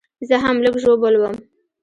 زه هم لږ ژوبل وم